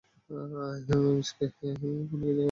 মেভিসকে এখন কিছু বলা যাবে না।